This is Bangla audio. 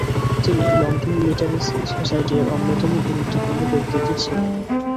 তিনি লন্ডন লিটারেসি সোসাইটি এর অন্যতম গুরুত্বপূর্ণ ব্যক্তিত্ব ছিলেন।